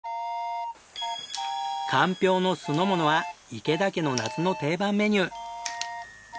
かんぴょうの酢の物は池田家の夏の定番メニュー。